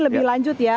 lebih lanjut ya